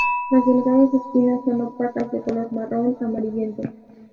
Las delgadas espinas son opacas de color marrón amarillento.